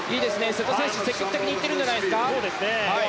瀬戸選手、積極的に行ってるんじゃないですか。